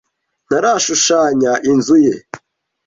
ntarashushanya inzu ye.